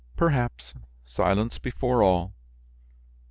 "Perhaps; silence before all."